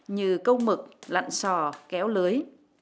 như câu mực lặn sò kéo lưới